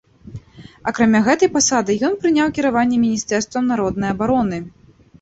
Акрамя гэтай пасады, ён прыняў кіраванне міністэрствам народнай абароны.